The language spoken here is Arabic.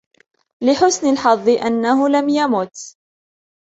لِخُسن الحظ أنهُ لم يمُت.